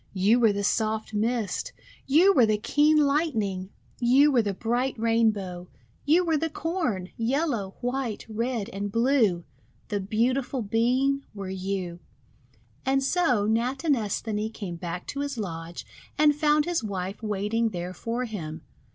You were the soft Mist ! You were the keen Lightning! You were the bright Rainbow! PEACH BOY'S RICE CAKES 371 You were the Corn, Yellow, white, red, and blue! The beautiful Bean were you I " And so Natinesthani came back to his lodge and found his wife waiting there for him.